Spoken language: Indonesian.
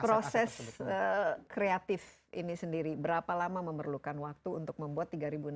proses kreatif ini sendiri berapa lama memerlukan waktu untuk membuat tiga enam ratus